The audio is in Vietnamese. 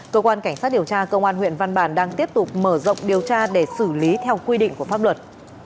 cơ quan cảnh sát điều tra công an huyện văn bàn đang tiếp tục mở rộng điều tra để xử lý theo quy định của pháp luật